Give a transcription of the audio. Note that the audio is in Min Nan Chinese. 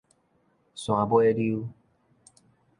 山尾溜